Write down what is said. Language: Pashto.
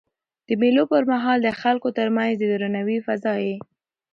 د مېلو پر مهال د خلکو ترمنځ د درناوي فضا يي.